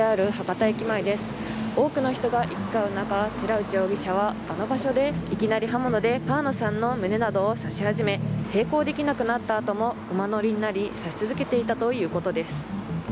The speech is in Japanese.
多くの人が行き交う中、寺内容疑者はあの場所で、いきなり刃物で川野さんの胸などを刺し始め抵抗できなくなったあとも馬乗りになり、刺し続けていたということです。